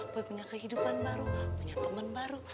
boy punya kehidupan baru punya temen baru